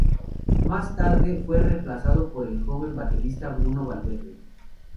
Más tarde fue reemplazado por el joven baterista Bruno Valverde.